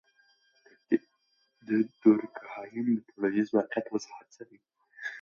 د دورکهايم د ټولنیز واقعیت وضاحت څه دی؟